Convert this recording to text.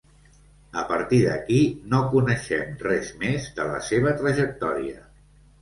A partir d'aquí, no coneixem res més de la seva trajectòria.